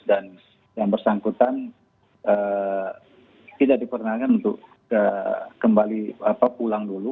dan yang bersangkutan tidak diperlukan untuk kembali pulang dulu